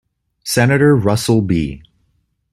Senator Russell B.